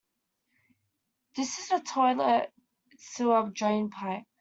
This is a toilet sewer drain pipe.